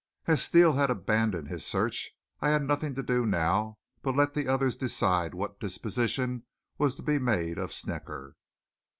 As Steele had abandoned his search, I had nothing to do now but let the others decide what disposition was to be made of Snecker.